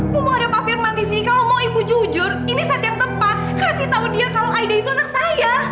bu mau ada pak firman disini kalau mau ibu jujur ini saat yang tepat kasih tahu dia kalau aida itu anak saya